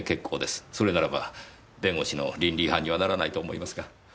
それならば弁護士の倫理違反にはならないと思いますが。